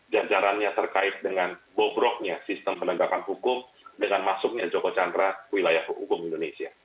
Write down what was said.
jajarannya terkait dengan bobroknya sistem penegakan hukum dengan masuknya joko chandra ke wilayah hukum indonesia